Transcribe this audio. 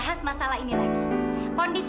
ya allah fadil